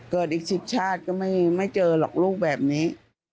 เกิดอีก๑๐ชาติก็ไม่เจอหรอกลูกแบบนี้